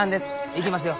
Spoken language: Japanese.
行きますよ。